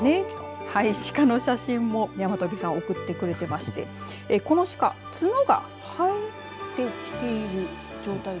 しかの写真も山磨さん送ってくれていましてこのしか角が生えてきている状態。